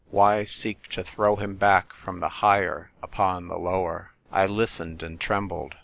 Why seek to throw him back from the higher upon the lower ? I listened and trembled.